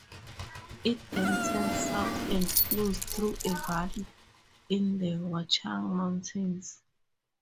It then turns south and flows through a valley in the Watchung Mountains.